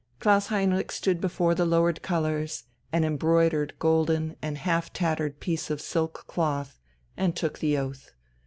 Klaus Heinrich stood before the lowered colours, an embroidered, golden, and half tattered piece of silk cloth, and took the oath.